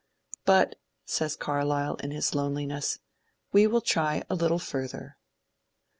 " But," says Carlyle in his loneliness, " we will try a little further."